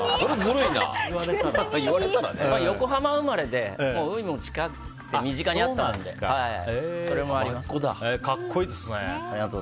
横浜生まれで海も近くて、身近にあったのでそれもありますね。